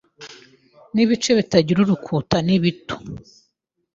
n'ibice bitagira urukuta nibito